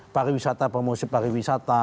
pariwisata promosi pariwisata